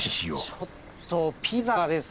ちょっとピザがですね。